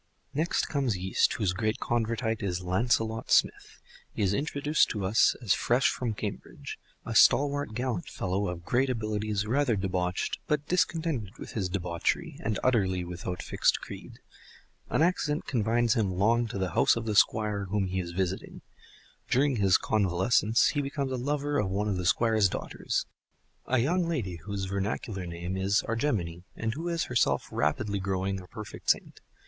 Next comes Yeast, whose great Convertite is Lancelot Smith. He is introduced to us as fresh from Cambridge, a stalwart gallant fellow of great abilities, rather debauched, but discontented with his debauchery, and utterly without fixed creed. An accident confines him long to the house of the Squire whom he is visiting. During his convalescence he becomes a lover of one of the Squire's daughters—a young lady whose vernacular name is Argemone, and who is herself rapidly growing a perfect saint.